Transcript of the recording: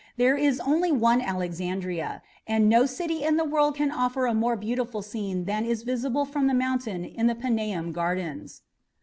There is only one Alexandria, and no city in the world can offer a more beautiful scene than is visible from the mountain in the Paneum gardens."